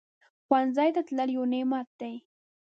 ښوونځی ته تلل یو نعمت دی